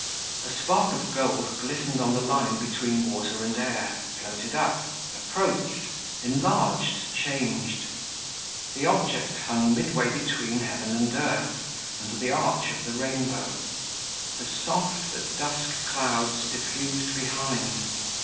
A spark of gold glistened on the line between water and air, floated up, approached, enlarged, changed; the object hung midway between heaven and earth, under the arch of the rainbow; the soft but dusk clouds diffused behind.